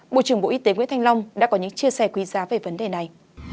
bộ trưởng bộ y tế nguyễn thanh long đã có những chia sẻ quý giá về vấn đề này